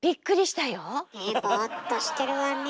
ボーっとしてるわね